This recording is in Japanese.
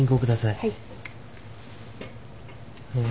はい。